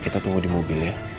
kita tunggu di mobil ya